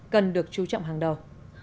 cần được trú trọng hàng đầu